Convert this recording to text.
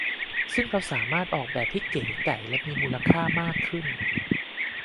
ซึ่งเราสามารถออกแบบให้เก๋ไก๋และมีมูลค่ามากขึ้น